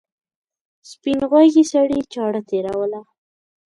سپین غوږي سړي چاړه تېروله.